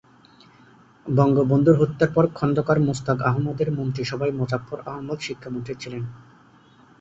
বঙ্গবন্ধুর হত্যার পর খন্দকার মোশতাক আহমদের মন্ত্রিসভায় মুজাফফর আহমদ শিক্ষামন্ত্রী ছিলেন।